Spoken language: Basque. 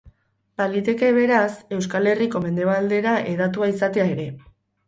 Baliteke beraz Euskal Herriko mendebaldera hedatua izatea ere.